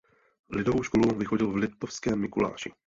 Lidovou školu vychodil v Liptovském Mikuláši.